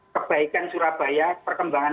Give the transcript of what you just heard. kebaikan surabaya perkembangan